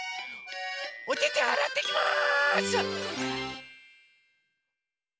おててあらってきます！